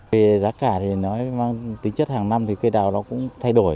về giá cả thì nói tính chất hàng năm thì cây đào nó cũng thay đổi